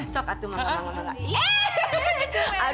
sok aku makan